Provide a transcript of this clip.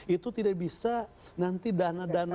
itu tidak bisa nanti dana dana